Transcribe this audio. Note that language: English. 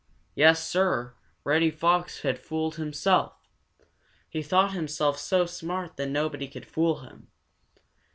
Yes, Sir, Reddy Fox had fooled himself. He thought himself so smart that nobody could fool him.